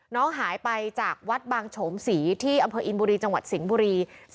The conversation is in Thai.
น้องหายไปจากวัดบางโฉมศรีที่อำเภออินบุรีจังหวัดสิงห์บุรี